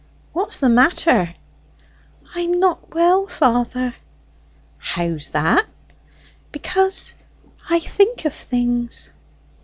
"What's the matter?" "I'm not well, father." "How's that?" "Because I think of things."